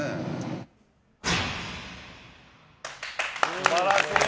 素晴らしい！